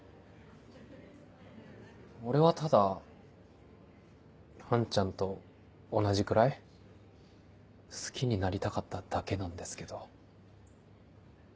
俺はただアンちゃんと同じくらい好きになりたかっただけなんですけど。